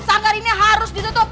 sanggar ini harus ditutup